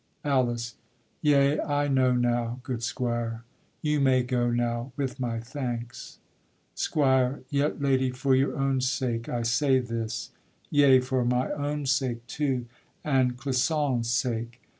ALICE. Yea, I know now, Good squire, you may go now with my thanks. SQUIRE. Yet, lady, for your own sake I say this, Yea, for my own sake, too, and Clisson's sake.